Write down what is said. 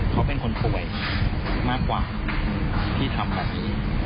เขาเป็นคนป่วยมากกว่าที่ทำแบบนี้